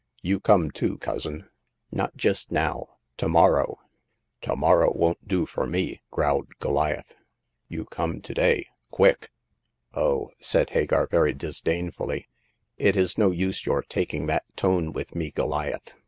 You come too, cousin." Not just now. To morrow." To morrow won't do for me !" growled Goliath. You come to day, quick !'' Oh," said Hagar, very disdainfully, '* it is no use your taking that tone with me, Goliath.